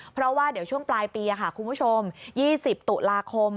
เพราะว่าเดี๋ยวช่วงปลายปีค่ะคุณผู้ชม๒๐ตุลาคม